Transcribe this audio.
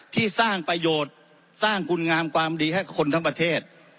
ที่สร้างประโยชน์สร้างคุณงามความดีให้คนทั้งประเทศ